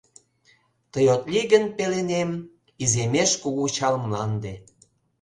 Тый от лий гын пеленем, Иземеш кугу чал мланде.